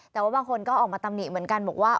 แต่ว่าบางคนก็ออกมาตำหนิเหมือนกันบอกว่า